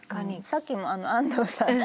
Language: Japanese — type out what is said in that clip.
さっきも安藤さん